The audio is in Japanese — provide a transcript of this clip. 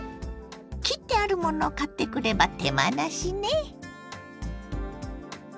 切ってあるものを買ってくれば手間なしね。